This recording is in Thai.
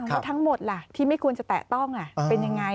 แล้วทั้งหมดล่ะที่ไม่ควรจะแตะต้องเป็นยังไง